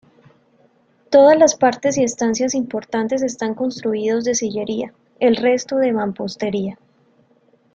Todas las partes y estancias importantes están construidos de sillería, el resto de mampostería.